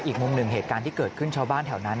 อีกมุมหนึ่งเหตุการณ์ที่เกิดขึ้นชาวบ้านแถวนั้น